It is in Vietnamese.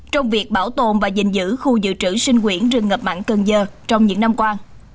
trong việc bảo tồn và giành giữ khu dự trữ sinh quyển rừng ngập mặn cần giờ trong những năm qua